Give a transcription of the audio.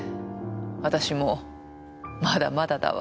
私もまだまだだわ。